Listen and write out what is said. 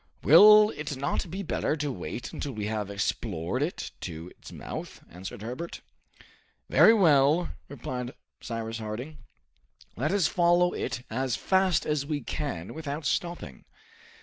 "Will it not be better to wait until we have explored it to its mouth?" answered Herbert. "Very well," replied Cyrus Harding. "Let us follow it as fast as we can without stopping."